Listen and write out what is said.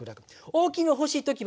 大きいのが欲しい時は。